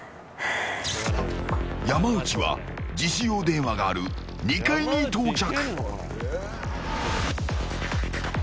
山内は自首用電話がある２階に到着。